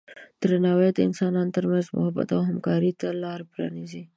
درناوی د انسانانو ترمنځ محبت او همکارۍ ته لاره پرانیزي.